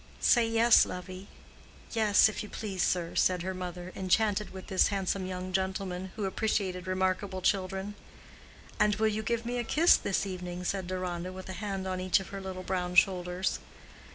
"Say yes, lovey—yes, if you please, sir," said her mother, enchanted with this handsome young gentleman, who appreciated remarkable children. "And will you give me a kiss this evening?" said Deronda with a hand on each of her little brown shoulders.